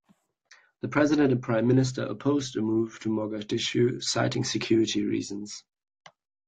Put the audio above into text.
The President and Prime Minister opposed a move to Mogadishu, citing security reasons.